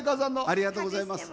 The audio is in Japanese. ありがとうございます。